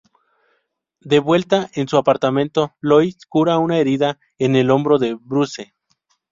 De vuelta en su apartamento, Lois cura una herida en el hombro de Bruce.